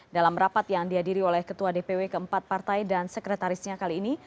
dalam rapat yang dihadiri oleh ketua dpw keempat partai dan sekretarisnya kali ini